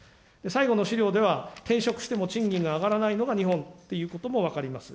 最後の資料では、転職しても賃金が上がらないのが日本ということも分かります。